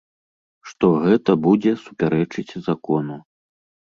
Што гэта будзе супярэчыць закону.